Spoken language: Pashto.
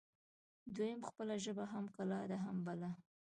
دویم: خپله ژبه هم کلا ده هم بلا